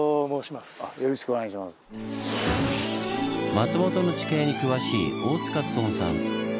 松本の地形に詳しい大塚勉さん。